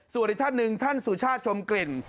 ส่วนอีกท่านหนึ่งท่านสุชาติชมกลิ่น